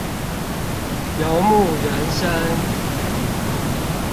游牧人生